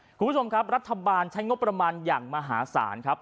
คุณผู้ชมครับรัฐบาลใช้งบประมาณอย่างมหาศาลครับ